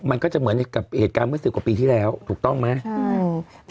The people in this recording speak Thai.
มันก็จะเหมือนกับเหตุการณ์เมื่อ๑๐กว่าปีที่แล้วถูกต้องไหม